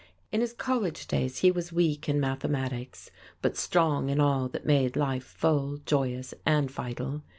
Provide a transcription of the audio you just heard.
In his college days he was weak in mathematics, but strong in all that made life full, joyous and vital.